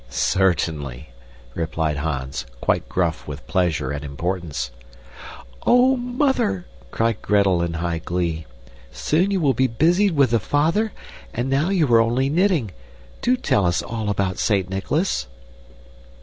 "Certainly," replied Hans, quite gruff with pleasure and importance. "Oh! Mother!" cried Gretel in high glee, "soon you will be busied with the father, and now you are only knitting. Do tell us all about Saint Nicholas!"